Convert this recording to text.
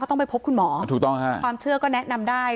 ต้องไปพบคุณหมอถูกต้องฮะความเชื่อก็แนะนำได้